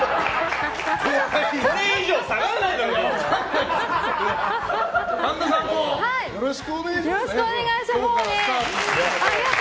これ以上下がらないだろう！